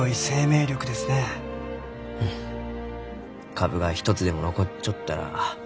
株が一つでも残っちょったら